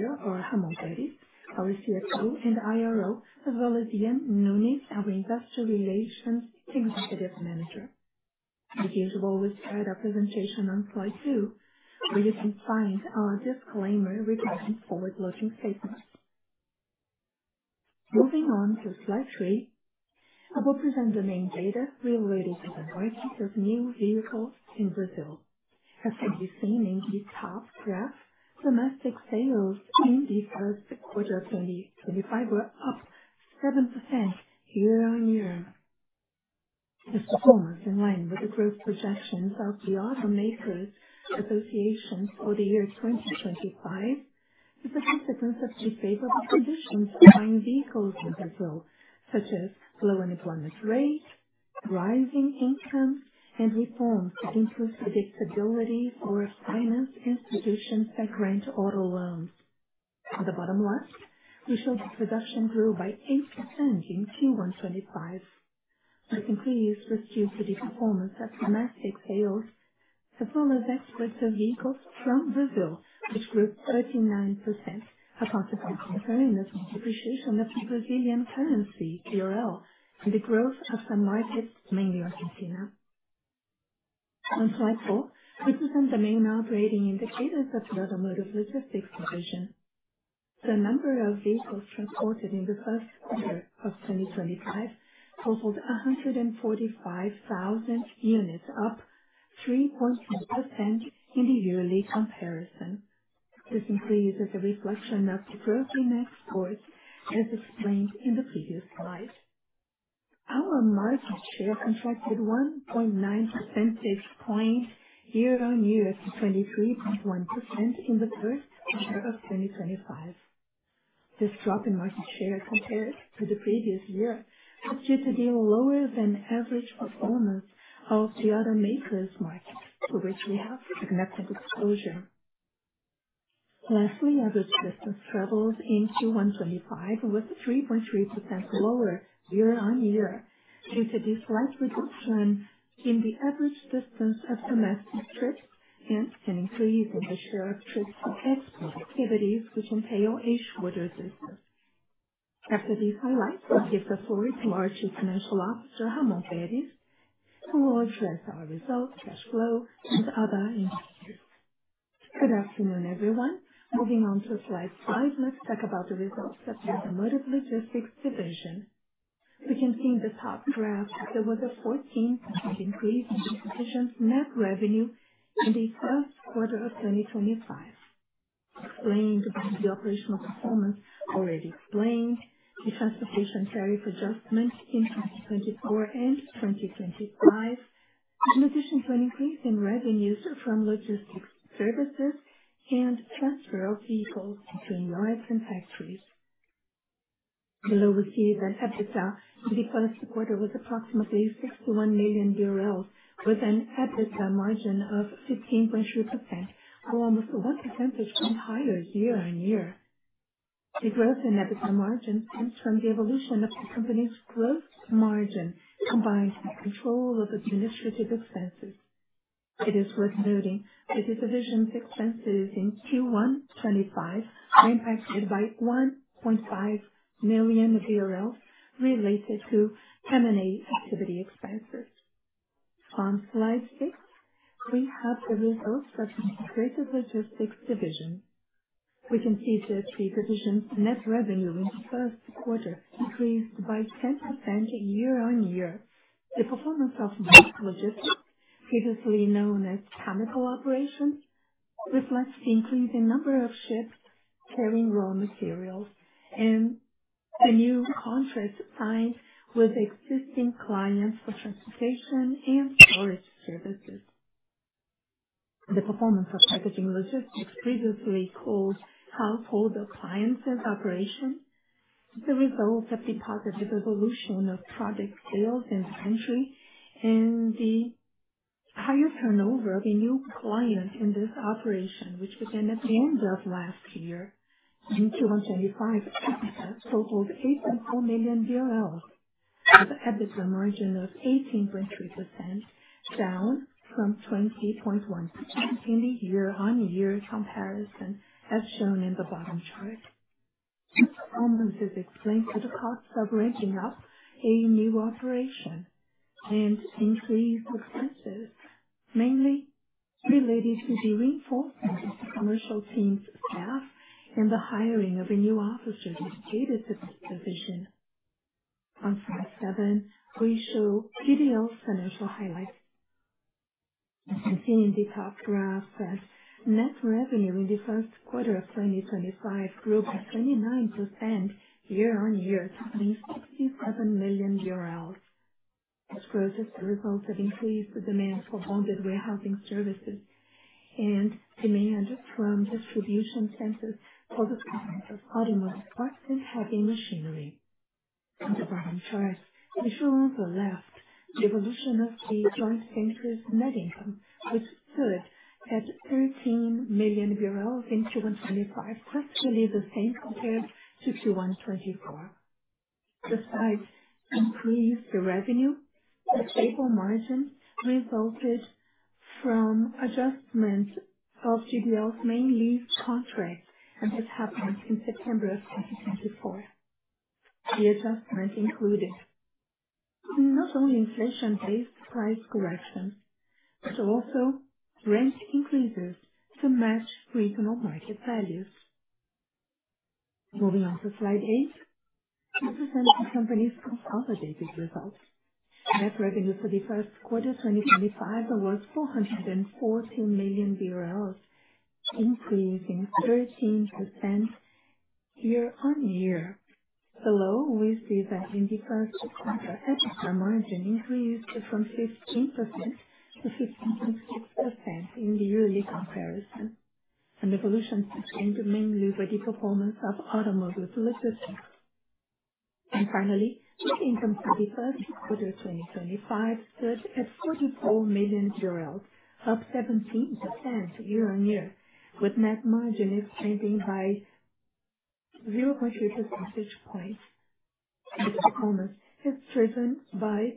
With me here are Ramón Perez, our CFO and IRO, as well as Ian Nuñez, our Industrial Relations Executive Manager. The usual is to add a presentation on slide two, where you can find our disclaimer regarding forward-looking statements. Moving on to slide three, I will present the main data related to the market of new vehicles in Brazil. As can be seen in the top graph, domestic sales in the first quarter of 2025 were up 7% year-on-year. This performance is in line with the growth projections of the ANFAVEA Association for the year 2025. The statistics have been favorable conditions for buying vehicles in Brazil, such as low unemployment rate, rising incomes, and reforms that improve predictability for finance institutions that grant auto loans. On the bottom left, we show the production grew by 8% in Q1 2025. This increase was due to the performance of domestic sales, as well as exports of vehicles from Brazil, which grew 39%, a consequence of the depreciation of the Brazilian currency, BRL, and the growth of the market, mainly Argentina. On slide four, we present the main operating indicators of the Automotive Logistics Division. The number of vehicles transported in the first quarter of 2025 totaled 145,000 units, up 3.1% in the yearly comparison. This increase is a reflection of the growth in exports, as explained in the previous slide. Our market share contracted 1.9 percentage points year-on-year to 23.1% in the first quarter of 2025. This drop in market share compared to the previous year was due to the lower-than-average performance of the automakers' market, for which we have significant exposure. Lastly, average distance traveled in Q1 2025 was 3.3% lower year-on-year due to the slight reduction in the average distance of domestic trips and an increase in the share of trips to export activities, which entail a shorter distance. After these highlights, I'll give the floor to our Chief Financial Officer, Ramón Pérez, who will address our results, cash flow, and other indicators. Good afternoon, everyone. Moving on to slide five, let's talk about the results of the Automotive Logistics Division. We can see in the top graph that there was a 14% increase in the division's net revenue in the first quarter of 2025, explained by the operational performance already explained, the transportation tariff adjustment in 2024 and 2025, in addition to an increase in revenues from logistics services and transfer of vehicles between yards and factories. Below, we see that EBITDA in the first quarter was approximately BRL 61 million, with an EBITDA margin of 15.3%, almost 1% higher year-on-year. The growth in EBITDA margin stems from the evolution of the company's gross margin combined with control of administrative expenses. It is worth noting that the division's expenses in Q1 2025 were impacted by 1.5 million related to M&A activity expenses. On slide six, we have the results of the Automotive Logistics Division. We can see that the division's net revenue in the first quarter decreased by 10% year-on-year. The performance of ROC Logistics, previously known as Chemical Operations, reflects the increase in the number of ships carrying raw materials and the new contracts signed with existing clients for transportation and storage services. The performance of Integrated Logistics, previously called Household Appliances Operation, is the result of the positive evolution of product sales in the country and the higher turnover of a new client in this operation, which began at the end of last year. In Q1 2025, EBITDA totaled BRL 8.4 million, with an EBITDA margin of 18.3%, down from 20.1% in the year-on-year comparison, as shown in the bottom chart. This performance is explained through the costs of renting out a new operation and increased expenses, mainly related to the reinforcement of the commercial team's staff and the hiring of a new officer dedicated to this division. On slide seven, we show GDL's financial highlights. As you can see in the top graph, net revenue in the first quarter of 2025 grew by 29% year-on-year, totaling BRL 67 million. This growth is the result of increased demand for bonded warehousing services and demand from distribution centers for the products of automotive parts and heavy machinery. On the bottom chart, we show on the left the evolution of the joint venture's net income, which stood at 13 million BRL in Q1 2025, roughly the same compared to Q1 2024. Despite increased revenue, the stable margin resulted from adjustment of GDL's main lease contracts, and this happened in September of 2024. The adjustment included not only inflation-based price corrections but also rent increases to match regional market values. Moving on to slide eight, we present the company's consolidated results. Net revenue for the first quarter of 2025 was BRL 440 million, increasing 13% year-on-year. Below, we see that in the first quarter, EBITDA margin increased from 15% to 15.6% in the yearly comparison. The evolution is explained mainly by the performance of Automotive Logistics. Finally, net income for the first quarter of 2025 stood at BRL 44 million, up 17% year-on-year, with net margin expanding by 0.2 percentage points. This performance is driven by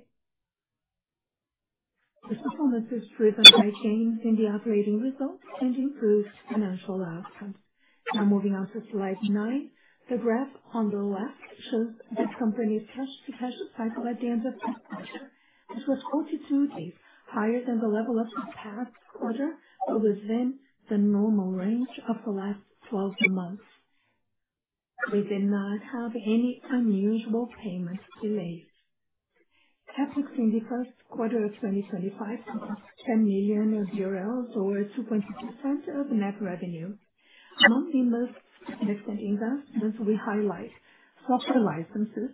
gains in the operating results and improved financial outcomes. Now, moving on to slide nine, the graph on the left shows the company's cash-to-cash cycle at the end of this quarter, which was 42 days, higher than the level of the past quarter, but within the normal range of the last 12 months. We did not have any unusual payment delays. EBITDA in the first quarter of 2025 was BRL 10 million, or 2.2% of net revenue. Among the most significant investments we highlight, software licenses,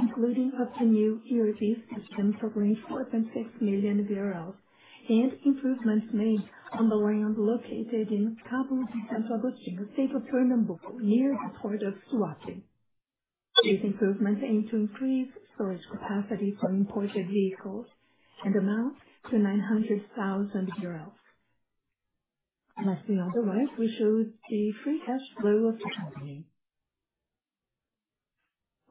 including a new ERP system totaling BRL 4.6 million, and improvements made on the land located in Cabo de Santo Agostinho, state of Pernambuco, near the Port of Suape. These improvements aim to increase storage capacity for imported vehicles and amount to BRL 900,000. Lastly, on the right, we show the free cash flow of the company,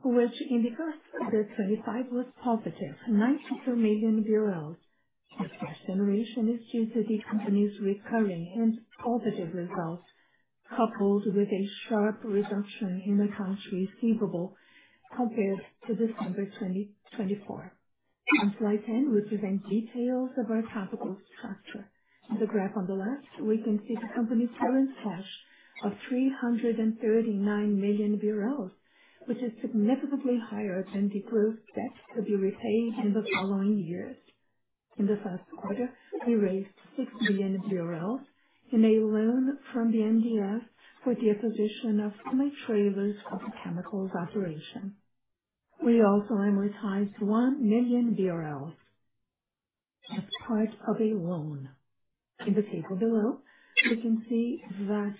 which in the first quarter of 2025 was positive, BRL 92 million. This cash generation is due to the company's recurring and positive results, coupled with a sharp reduction in accounts receivable compared to December 2024. On slide ten, we present details of our capital structure. In the graph on the left, we can see the company's current cash of BRL 339 million, which is significantly higher than the gross debt to be repaid in the following years. In the first quarter, we raised BRL 6 million in a loan from the BNDES for the acquisition of 20 trailers for the chemicals operation. We also amortized 1 million BRL as part of a loan. In the table below, we can see that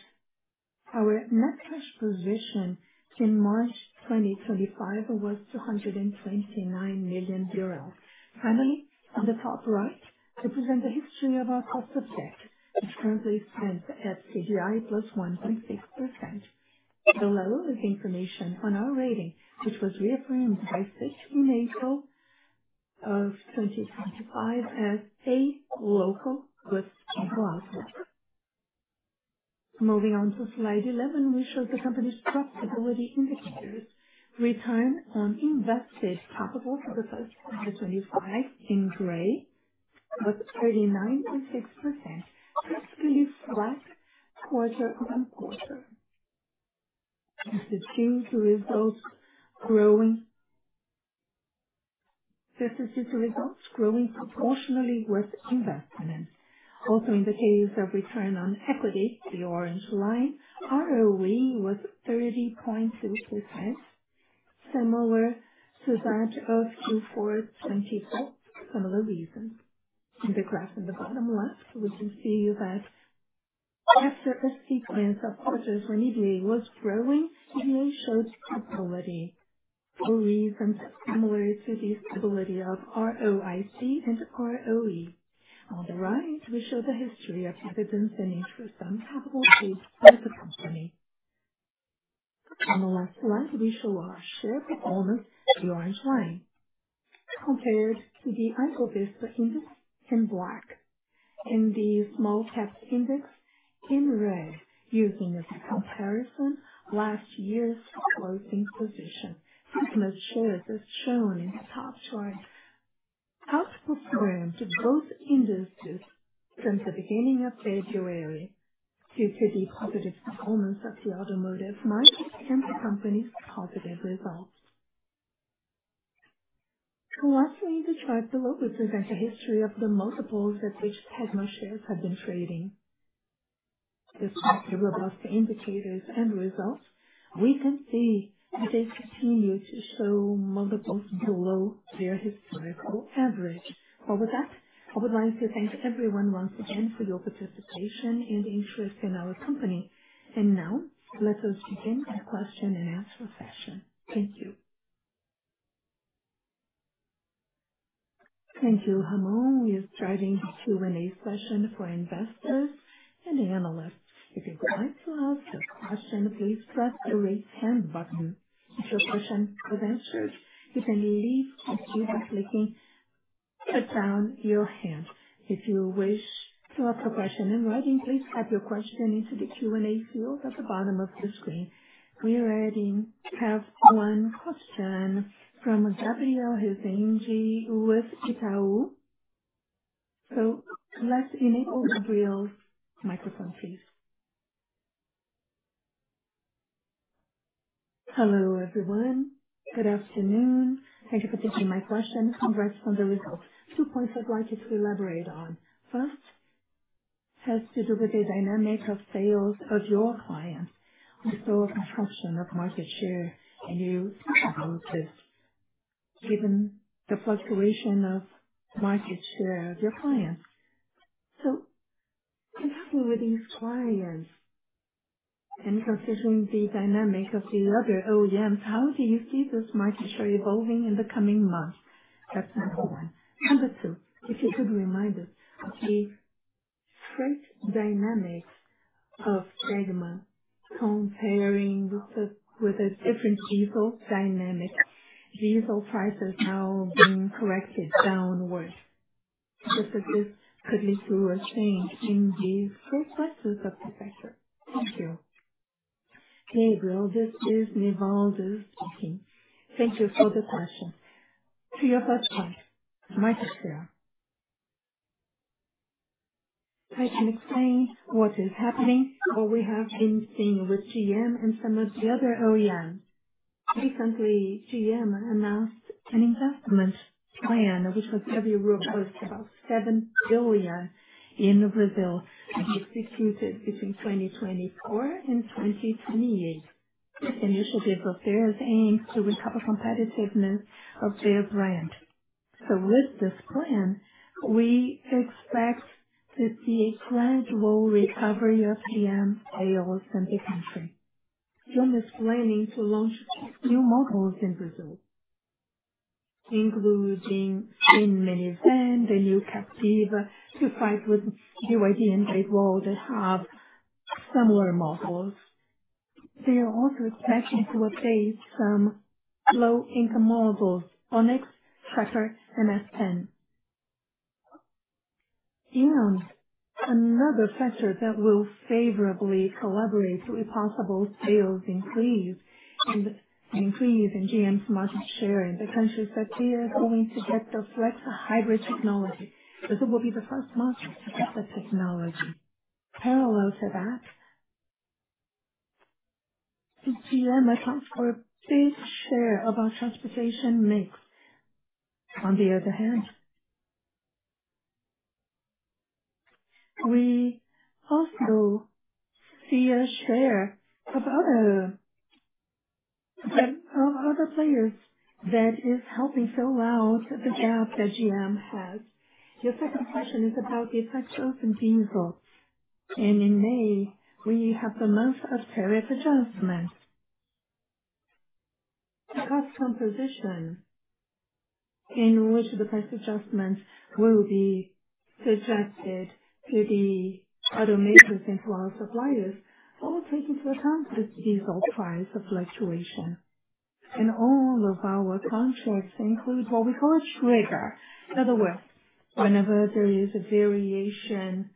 our net cash position in March 2025 was BRL 229 million. Finally, on the top right, we present the history of our cost of debt, which currently stands at CDI plus 1.6%. Below is information on our rating, which was reaffirmed by Fitch in April 2025 as a local goods chemical outlet. Moving on to slide 11, we show the company's profitability indicators. Return on invested capital for the first quarter of 2025, in gray, was 39.6%, roughly flat quarter on quarter. This is due to results growing proportionally with investments. Also, in the case of return on equity, the orange line, ROE was 30.2%, similar to that of Q4 2024, for similar reasons. In the graph on the bottom left, we can see that after a sequence of quarters, when EBITDA was growing, EBITDA showed stability, for reasons similar to the stability of ROIC and ROE. On the right, we show the history of dividends and interest on capital paid by the company. On the left slide, we show our share performance, the orange line, compared to the Ibovespa Index in black, and the Small Cap Index in red, using as a comparison last year's closing position. Tegma Gestão Logística is shown in the top chart. Outperformed both industries since the beginning of February due to the positive performance of the automotive market and the company's positive results. Lastly, in the chart below, we present the history of the multiples at which Tegma shares have been trading. Despite the robust indicators and results, we can see that they continue to show multiples below their historical average. With that, I would like to thank everyone once again for your participation and interest in our company. Now, let us begin the question-and-answer session. Thank you. Thank you, Ramón. We are starting the Q&A session for investors and analysts. If you would like to ask a question, please press the raise hand button. If your question was answered, you can leave a queue by clicking put down your hand. If you wish to ask a question in writing, please type your question into the Q&A field at the bottom of the screen. We're ready to have one question from Gabriel Rezende with Itaú. Let's enable Gabriel's microphone, please. Hello, everyone. Good afternoon. Thank you for taking my question. Congrats on the results. Two points I'd like you to elaborate on. First has to do with the dynamic of sales of your clients. We saw a contraction of market share in your business given the fluctuation of market share of your clients. In talking with these clients and considering the dynamic of the other OEMs, how do you see this market share evolving in the coming months? That's number one. Number two, if you could remind us of the freight dynamics of Tegma comparing with a different diesel dynamic. Diesel prices now being corrected downward. This could lead to a change in the f prices of the sector. Thank you. Gabriel, this is Nivaldo speaking. Thank you for the question. To your first point, market share. I can explain what is happening, what we have been seeing with GM and some of the other OEMs. Recently, GM announced an investment plan which was heavily robust, about 7 billion in Brazil, and executed between 2024 and 2028. The initiative of theirs aims to recover competitiveness of their brand. With this plan, we expect to see a gradual recovery of GM sales in the country. GM is planning to launch new models in Brazil, including the Spin Minivan and the new Captiva to fight with BYD and Great Wall that have similar models. They are also expected to update some low-income models, Onix, Tracker, and S10. Another factor that will favorably collaborate with possible sales increase and increase in GM's market share in the country is that they are going to get the Flex Hybrid Technology. Brazil will be the first market to get the technology. Parallel to that, GM accounts for a big share of our transportation mix. On the other hand, we also see a share of other players that is helping fill out the gap that GM has. Your second question is about the effect of diesel. In May, we have the month of tariff adjustments. The cost composition in which the price adjustments will be suggested to the automakers and to our suppliers all take into account this diesel price fluctuation. All of our contracts include what we call a trigger. In other words, whenever there is a variation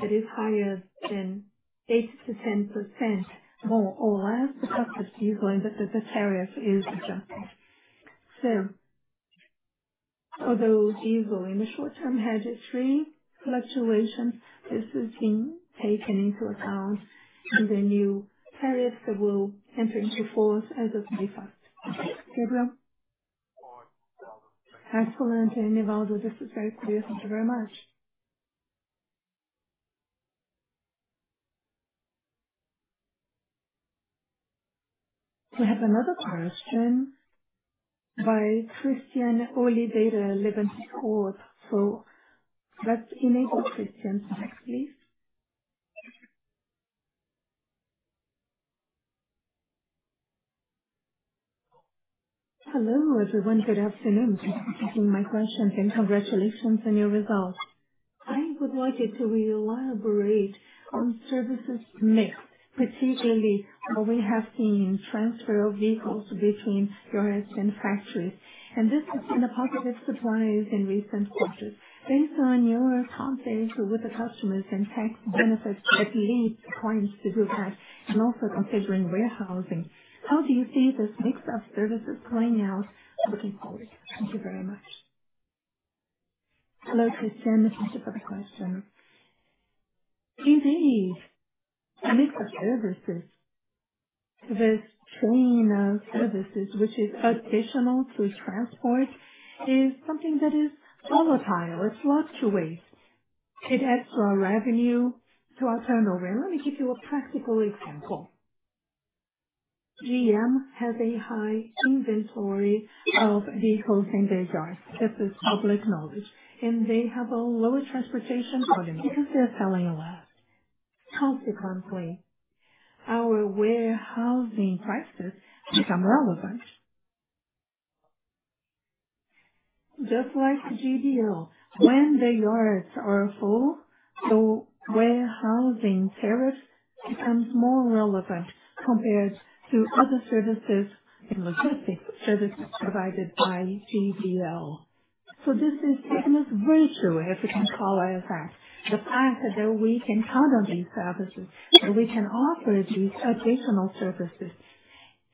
that is higher than 8-10% more or less, the cost of diesel and the tariff is adjusted. Although diesel in the short term had three fluctuations, this is being taken into account in the new tariffs that will enter into force as of May 1. Gabriel? Excellent. Nivaldo, this is very clear. Thank you very much. We have another question by Christian Oliveira, Levante Ideias de Investimento. Let's enable Christian's mic, please. Hello, everyone. Good afternoon. Thank you for taking my questions, and congratulations on your results. I would like you to elaborate on services mix, particularly what we have seen in transfer of vehicles between your own factories. This has been a positive surprise in recent quarters. Based on your contacts with the customers and tax benefits, at least points to do that, and also considering warehousing, how do you see this mix of services playing out looking forward? Thank you very much. Hello, Christian. Thank you for the question. Indeed, the mix of services, this chain of services, which is additional to transport, is something that is volatile. It fluctuates. It adds to our revenue, to our turnover. Let me give you a practical example. GM has a high inventory of vehicles in their yards. This is public knowledge. They have a lower transportation volume because they're selling less. Consequently, our warehousing prices become relevant. Just like GDL, when the yards are full, the warehousing tariffs become more relevant compared to other services and logistics services provided by GDL. This is Tegma's virtue, if we can call it that. The fact that we can count on these services, that we can offer these additional services,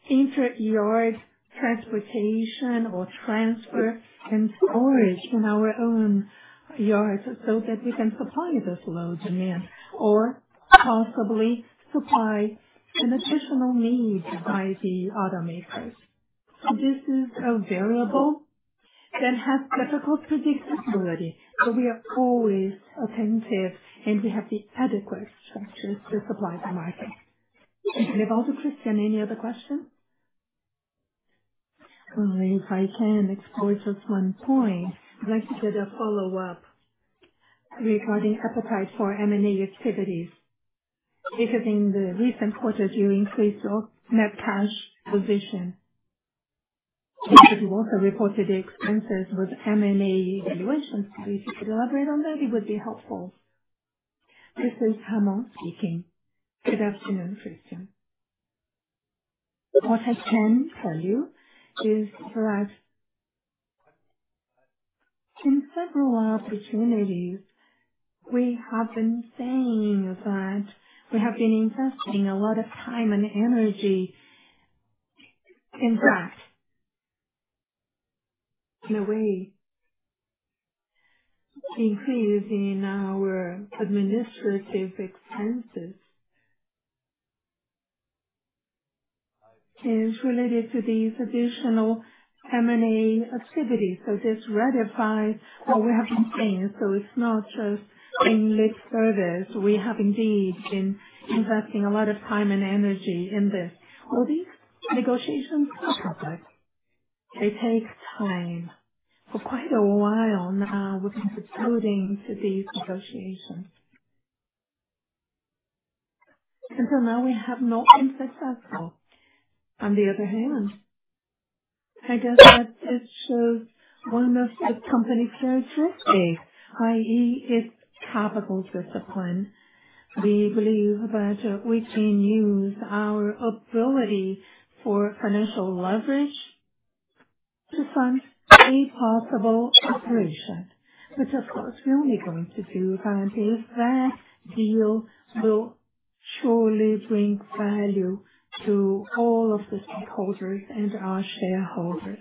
inter-yard transportation or transfer and storage in our own yards so that we can supply this low demand or possibly supply an additional need by the automakers. This is a variable that has difficult predictability. We are always attentive, and we have the adequate structures to supply the market. Nivaldo, Christian, any other questions? Only if I can explore just one point. I'd like to get a follow-up regarding appetite for M&A activities. Because in the recent quarter, you increased your net cash position. You also reported the expenses with M&A evaluation studies. If you could elaborate on that, it would be helpful. This is Ramón speaking. Good afternoon, Christian. What I can tell you is that in several opportunities, we have been saying that we have been investing a lot of time and energy in that. In a way, the increase in our administrative expenses is related to these additional M&A activities. This ratifies what we have been saying. It is not just in lip service. We have indeed been investing a lot of time and energy in this. These negotiations are public. They take time. For quite a while now, we've been subsuming to these negotiations. Until now, we have not been successful. On the other hand, I guess that just shows one of the company's characteristics, i.e., its capital discipline. We believe that we can use our ability for financial leverage to fund a possible operation. Of course, we're only going to do that if that deal will surely bring value to all of the stakeholders and our shareholders.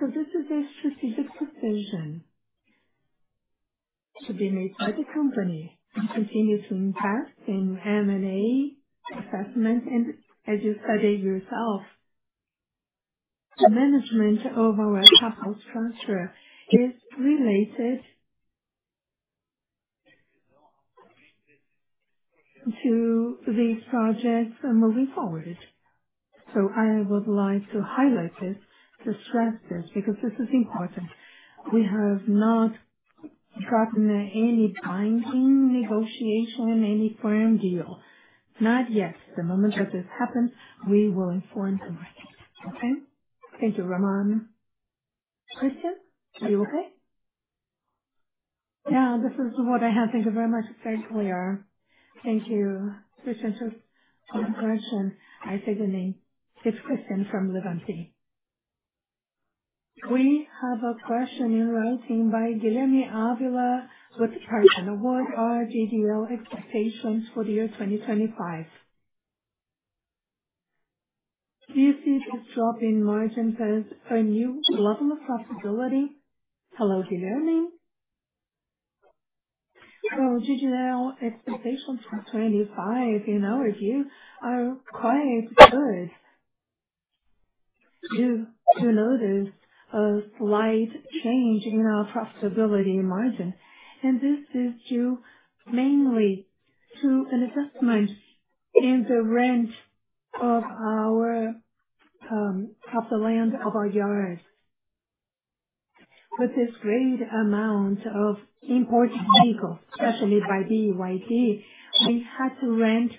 This is a strategic decision to be made by the company to continue to invest in M&A assessment. As you studied yourself, the management of our capital structure is related to these projects moving forward. I would like to highlight this, to stress this, because this is important. We have not gotten any binding negotiation, any firm deal, not yet. The moment that this happens, we will inform the market. Okay? Thank you, Ramón. Christian? Are you okay? Yeah, This is what I have. Thank you very much. It's very clear. Thank you, Christian. Just one question. I see the name. It's Christian from Levante. We have a question in writing by Guilherme Ávila with the partner BTG Pactual. What are GDL expectations for the year 2025? Do you see this drop in margins as a new level of profitability? Hello, Guilherme. GDL expectations for 2025, in our view, are quite good. You do notice a slight change in our profitability margin. This is due mainly to an investment in the rent of our land, of our yards. With this great amount of imported vehicles, especially by BYD, we had to rent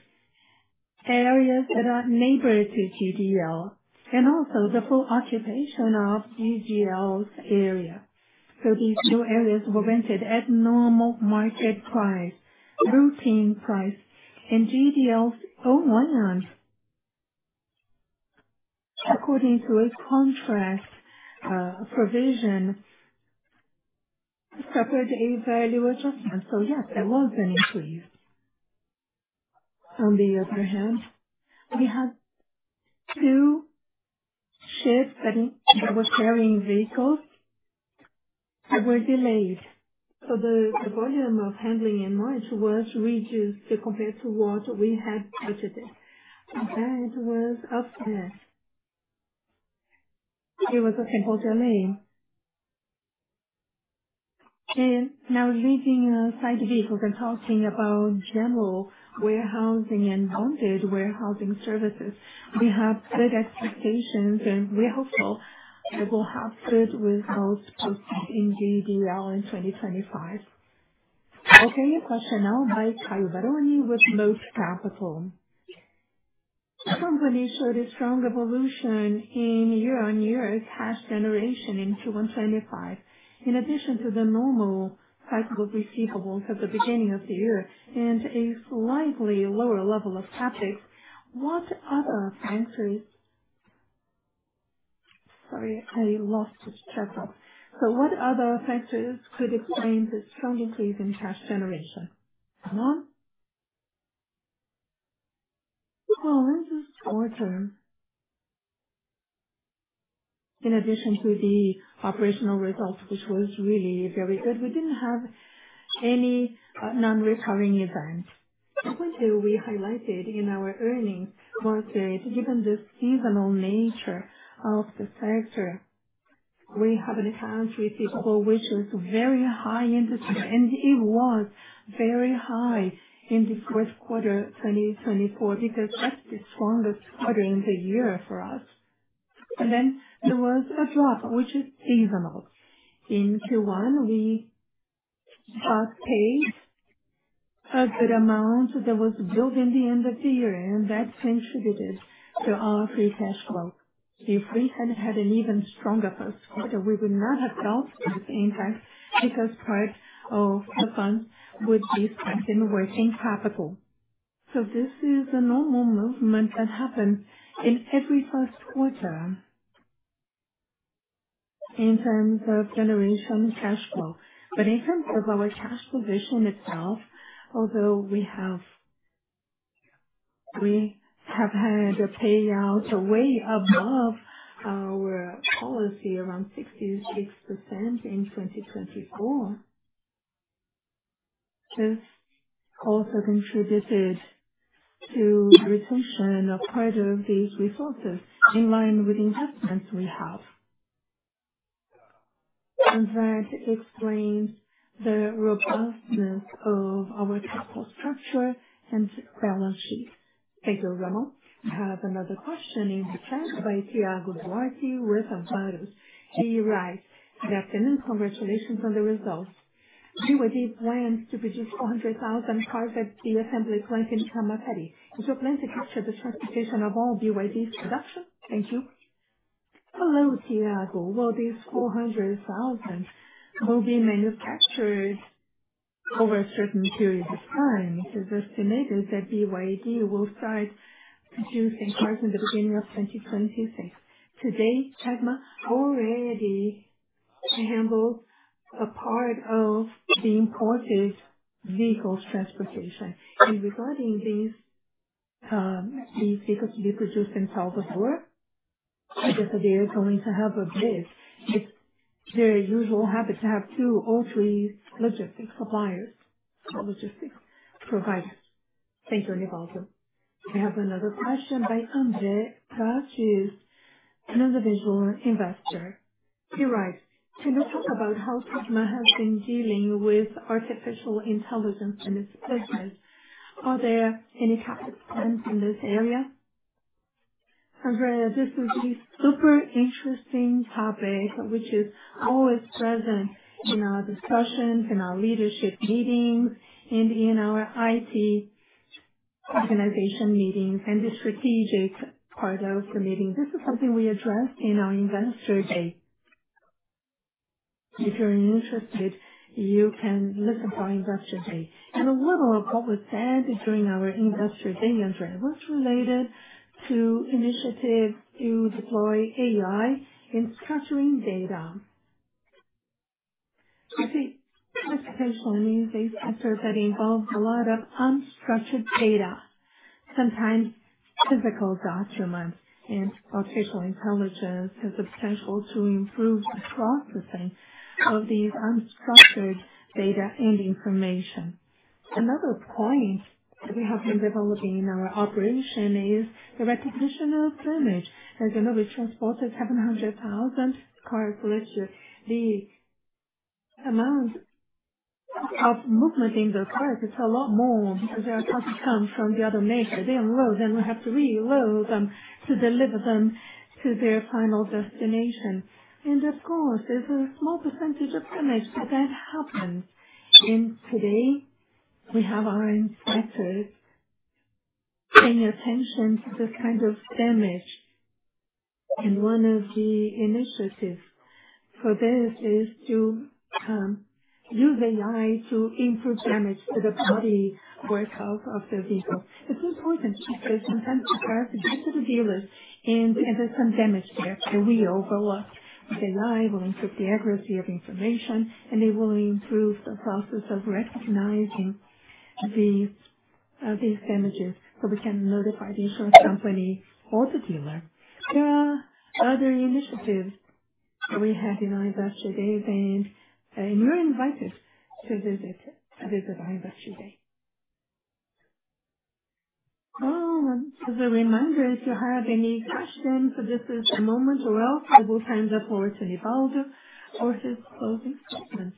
areas that are neighbor to GDL and also the full occupation of GDL's area. These new areas were rented at normal market price, routine price. GDL's own land, according to a contract provision, suffered a value adjustment. Yes, there was an increase. On the other hand, we had two ships that were carrying vehicles that were delayed. The volume of handling in March was reduced compared to what we had budgeted. That was upset. It was a simple delay. Now, leaving aside vehicles and talking about general warehousing and bonded warehousing services, we have good expectations and we hope that we will have good results posted in GDL in 2025. Okay, a question now by Caio Baroni with Moza Capital. The company showed a strong evolution in year-on-year cash generation in 2025. In addition to the normal size of receivables at the beginning of the year and a slightly lower level of CapEx, what other factors—sorry, I lost the stress on it. What other factors could explain this strong increase in cash generation? Ramón? In this quarter, in addition to the operational results, which was really very good, we did not have any non-recurring events. The point that we highlighted in our earnings was that given the seasonal nature of the sector, we have an account receivable which was very high in Q1. It was very high in the fourth quarter of 2024 because that is the strongest quarter in the year for us. There was a drop, which is seasonal. In Q1, we got paid a good amount that was billed in the end of the year. That contributed to our free cash flow. If we had not had an even stronger first quarter, we would not have dealt with the impact because part of the funds would be spent in working capital. This is a normal movement that happens in every first quarter in terms of generation cash flow. In terms of our cash position itself, although we have had a payout way above our policy, around 66% in 2024, this also contributed to the retention of part of these resources in line with investments we have. That explains the robustness of our capital structure and balance sheet. Thank you, Ramón. We have another question in the chat by Tiago Duarte with a BTG Pactual. He writes, "Good afternoon, congratulations on the results. BYD plans to produce 400,000 cars at the assembly plant in Camaçari. Is your plan to capture the transportation of all BYD's production?" Thank you. Hello, Tiago. These 400,000 will be manufactured over a certain period of time. It is estimated that BYD will start producing cars in the beginning of 2026. Today, Tegma already handles a part of the imported vehicles transportation. Regarding these vehicles to be produced in Salvador, I guess that they are going to have a bid. It is their usual habit to have two or three logistics suppliers, logistics providers. Thank you, Nivaldo. We have another question by André Prais, an individual investor. He writes, "Can you talk about how Tegma has been dealing with Artificial Intelligence and its business? Are there any CapEx plans in this area?" André, this is a super interesting topic, which is always present in our discussions, in our leadership meetings, and in our IT organization meetings and the strategic part of the meeting. This is something we addressed in our investor day. If you are interested, you can listen to our investor day. A little of what was said during our investor day, André, was related to initiatives to deploy AI in structuring data. I think transportation is a sector that involves a lot of unstructured data, sometimes physical documents. Artificial Intelligence has the potential to improve the processing of these unstructured data and information. Another point that we have been developing in our operation is the recognition of damage. As you know, we transported 700,000 cars last year. The amount of movement in the cars, it's a lot more because there are cars that come from the other nation. They unload, then we have to reload them to deliver them to their final destination. Of course, there's a small percentage of damage. That happens. Today, we have our inspectors paying attention to this kind of damage. One of the initiatives for this is to use AI to improve damage to the body, workout of the vehicle. It is important because sometimes the cars get to the dealers and there is some damage there. We overlook the AI will improve the accuracy of information, and it will improve the process of recognizing these damages so we can notify the insurance company or the dealer. There are other initiatives that we had in our investor day, and you are invited to visit our investor day. As a reminder, if you have any questions, this is the moment or else I will hand it over to Nivaldo for his closing statements.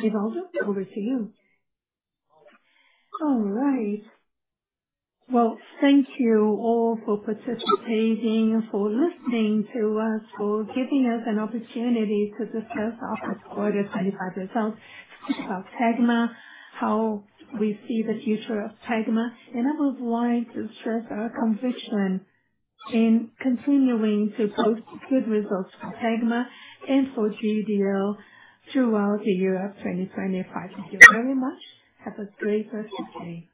Nivaldo, over to you. All right. Thank you all for participating, for listening to us, for giving us an opportunity to discuss our first quarter 2025 results, to speak about Tegma, how we see the future of Tegma. I would like to stress our conviction in continuing to post good results for Tegma and for GDL throughout the year of 2025. Thank you very much. Have a great rest of your day.